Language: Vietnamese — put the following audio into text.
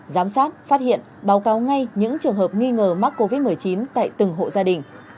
giám sát phát hiện báo cáo ngay những trường hợp nghi ngờ mắc covid một mươi chín tại từng hộ gia đình